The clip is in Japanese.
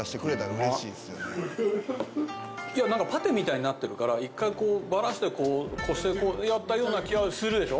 いやなんかパテみたいになってるから１回こうバラしてやったような気がするでしょ？